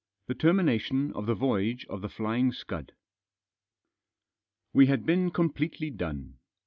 THE TERMINATION OF THE VOYAGE OF "THE FLYING SCUD/' We had been completely done.